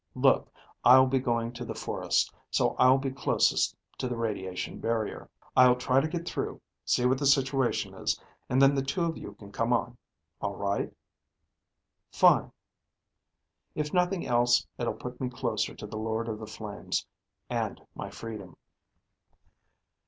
Look, I'll be going to the forest, so I'll be closest to the radiation barrier. I'll try to get through, see what the situation is, and then the two of you can come on. All right?" "Fine." "If nothing else, it'll put me closer to the Lord of the Flames ... and my freedom."